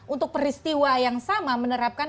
untuk peristiwa yang sama menerapkan